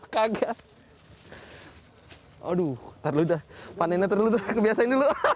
kaget aduh terlalu dah panennya terlalu kebiasaan